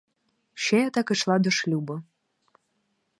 Ще я так ішла до шлюбу.